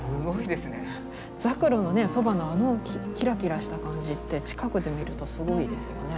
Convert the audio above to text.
ザクロのそばのあのキラキラした感じって近くで見るとすごいですよね。